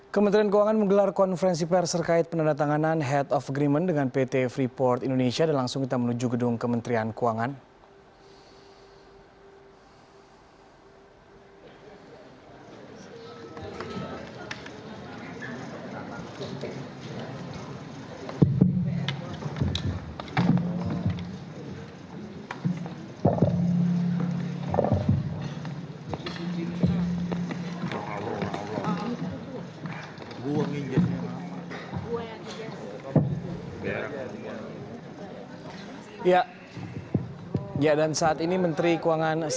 kementerian keuangan menggelar konferensi perser kait penandatanganan head of agreement dengan pt freeport indonesia dan langsung kita menuju gedung kementerian keuangan